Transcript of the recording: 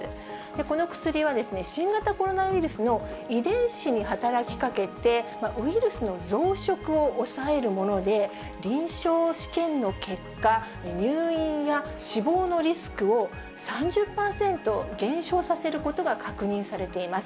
この薬は、新型コロナウイルスの遺伝子に働きかけて、ウイルスの増殖を抑えるもので、臨床試験の結果、入院や死亡のリスクを３０％減少させることが確認されています。